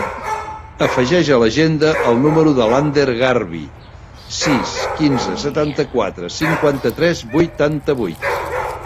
Afegeix a l'agenda el número de l'Ander Garvi: sis, quinze, setanta-quatre, cinquanta-tres, vuitanta-vuit.